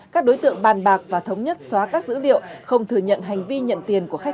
các đối tượng bàn bạc và thống nhất xóa các dữ liệu không thừa nhận hành vi nhận tiền của khách